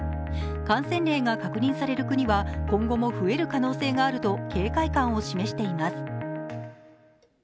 感染例が確認される国は今後も増える可能性があると警戒感を示しています。